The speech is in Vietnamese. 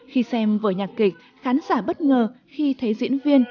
khi xem vở nhạc kịch khán giả bất ngờ khi thấy diễn viên